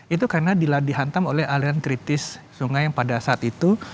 itu karena dihantam oleh aliran kritis sungai yang pada saat itu